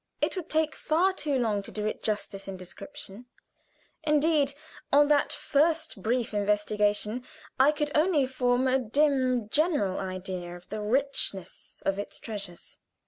It would take far too long to do it justice in description; indeed, on that first brief investigation I could only form a dim general idea of the richness of its treasures.